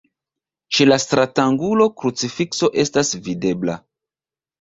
Ĉe la stratangulo krucifikso estas videbla.